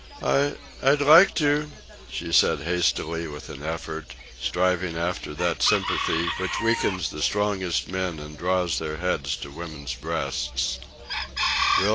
"I I'd like to," she said hastily with an effort, striving after that sympathy which weakens the strongest men and draws their heads to women's breasts.